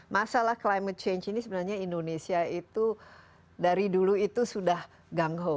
masalah climate change ini sebenarnya indonesia itu dari dulu itu sudah gangho